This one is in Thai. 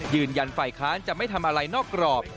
ฝ่ายค้านจะไม่ทำอะไรนอกกรอบ